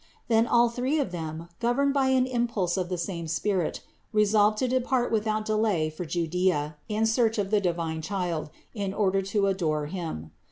Then all three of them, governed by an impulse of the same Spirit, resolved to depart without delay for Judea in search of the divine Child in order to adore Him.